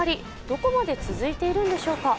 どこまで続いているんでしょうか。